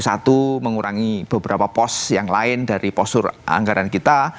satu mengurangi beberapa pos yang lain dari postur anggaran kita